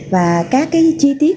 và các cái chi tiết